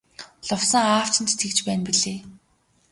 Лувсан аав чинь ч тэгж байна билээ.